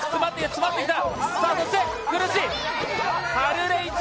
詰まってきた。